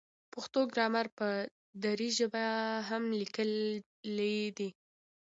پښتو ګرامر په دري ژبه هم لیکلی دی.